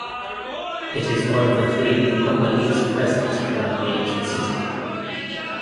It is one of the three necropoleis present around the ancient city.